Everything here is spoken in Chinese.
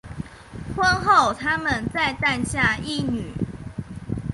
婚后他们再诞下一女。